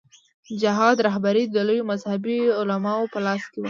د جهاد رهبري د لویو مذهبي علماوو په لاس کې وه.